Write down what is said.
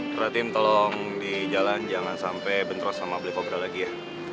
pratim tolong di jalan jangan sampai bentros sama blekobra lagi ya